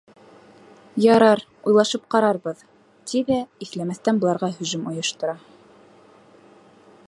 «Ярар, уйлашып ҡарарбыҙ», - ти ҙә, иҫләмәҫтән быларға һөжүм ойоштора.